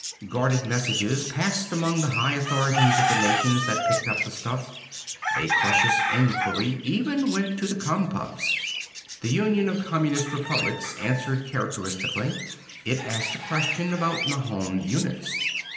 Guarded messages passed among the high authorities of the nations that picked up the stuff. A cautious inquiry went even to the Compubs. The Union of Communist Republics answered characteristically. It asked a question about Mahon units.